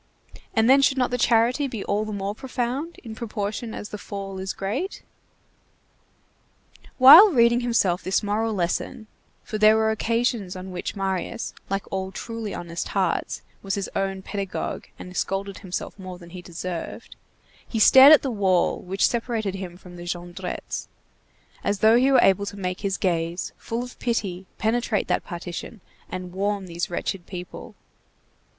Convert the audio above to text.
And then should not the charity be all the more profound, in proportion as the fall is great? While reading himself this moral lesson, for there were occasions on which Marius, like all truly honest hearts, was his own pedagogue and scolded himself more than he deserved, he stared at the wall which separated him from the Jondrettes, as though he were able to make his gaze, full of pity, penetrate that partition and warm these wretched people.